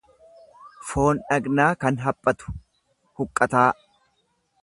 foon dhaqnaa kan haphatu, huqqataa.